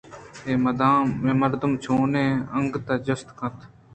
اے مردم چونیں اَنتکاف ءَجست کُت